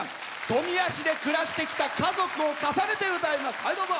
富谷市で暮らしてきた家族を重ねて歌います。